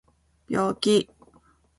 病気